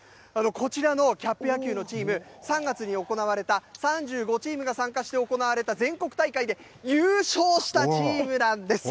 こちらのキャップ野球のチーム、３月に行われた３５チームが参加して行われた全国大会で優勝したチームなんです。